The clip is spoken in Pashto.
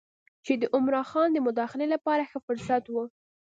چې د عمرا خان د مداخلې لپاره ښه فرصت و.